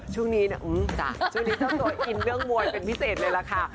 ช่วงนี้เนี่ยช่วงนี้เจ้าตัวอินเรื่องมวยเป็นพิเศษเลยล่ะค่ะ